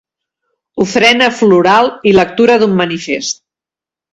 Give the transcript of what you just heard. Ofrena floral i lectura d'un manifest.